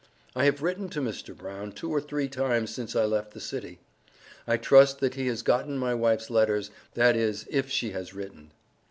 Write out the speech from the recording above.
I have written to Mr. Brown two or three times since I left the city. I trust that he has gotten my wife's letters, that is if she has written.